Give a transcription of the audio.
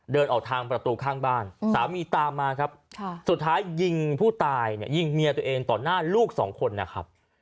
เดินออกทางประตูข้างบ้านสามีตามมาครับสุดท้ายยิงผู้ตายเนี่ยยิงเมียตัวเองต่อหน้าลูกสองคนนะครับ